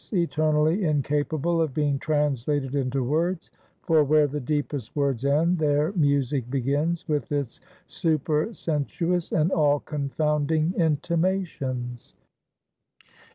eternally incapable of being translated into words; for where the deepest words end, there music begins with its supersensuous and all confounding intimations.